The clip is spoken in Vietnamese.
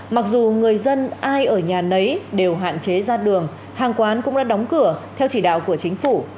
mặc dù người dân ai ở nhà nấy đều hạn chế ra đường hàng quán cũng đã đóng cửa theo chỉ đạo của chính phủ